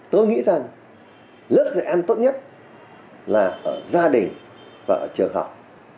tôi nghĩ rằng lớp dạy ăn tốt nhất là ở gia đình và ở trường học